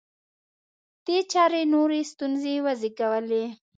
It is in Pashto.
دې چارې نورې ستونزې وزېږولې